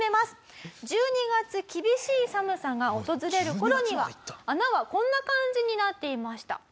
１２月厳しい寒さが訪れる頃には穴はこんな感じになっていました。